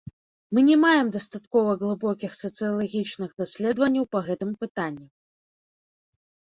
Мы не маем дастаткова глыбокіх сацыялагічных даследаванняў па гэтым пытанні.